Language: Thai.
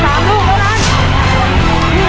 อีกลูกเท่าไหร่